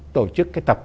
tổ chức cái tập